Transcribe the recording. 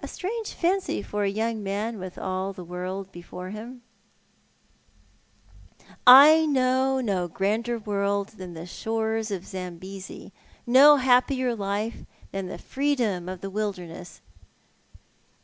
"A strange fancy for a young man with all the world before him" 56 Thou art the Man. " I know no grander world than the shores of Zambesi, no happier life than the freedom of the wilderness."